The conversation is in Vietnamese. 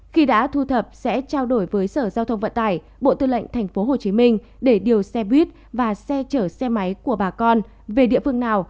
khi đã thu thập sẽ trao đổi với sở giao thông vận tải bộ tư lệnh tp hcm để điều xe buýt và xe chở xe máy của bà con về địa phương nào